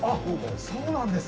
そうなんですね！